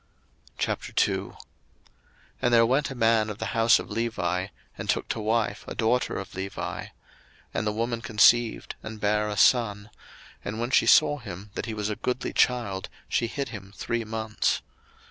02:002:001 And there went a man of the house of Levi, and took to wife a daughter of Levi. 02:002:002 And the woman conceived, and bare a son: and when she saw him that he was a goodly child, she hid him three months.